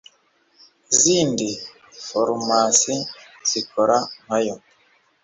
izindi farumasi zikora nkayo